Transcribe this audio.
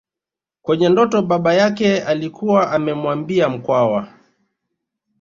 Kwenye ndoto baba yake alikuwa amemwambia Mkwawa